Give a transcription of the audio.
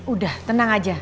udah tenang aja